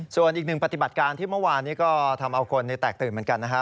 ส่วนอีกหนึ่งปฏิบัติการที่เมื่อวานนี้ก็ทำเอาคนแตกตื่นเหมือนกันนะฮะ